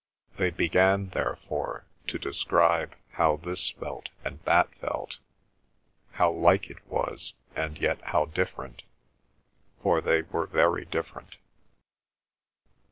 They began therefore to describe how this felt and that felt, how like it was and yet how different; for they were very different.